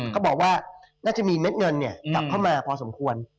ก็บอกว่าน่าจะมีเม็ดเงินกลับเข้ามาพอสมควร